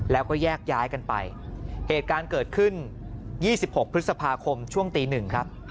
แล้วก็แยกย้ายกันไปเหตุการณ์เกิดขึ้น๒๖พฤษภาคมช่วงตีหนึ่งครับ